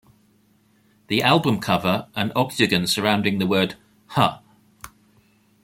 The album cover, an octagon surrounding the word Huh?